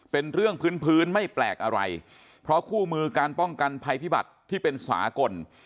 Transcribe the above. เป็นเรื่องพื้นพื้นไม่แปลกอะไรเพราะคู่มือการป้องกันภัยพิบัติที่เป็นสากล